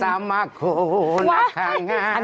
น้ำนือสามโคนนักไข่งาน